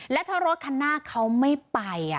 และถ้ารถข้างหน้าเขาไม่ไป